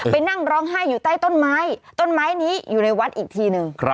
นั่งร้องไห้อยู่ใต้ต้นไม้ต้นไม้นี้อยู่ในวัดอีกทีหนึ่ง